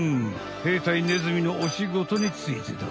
兵隊ネズミのおしごとについてだ。